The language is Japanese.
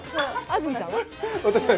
安住さんは？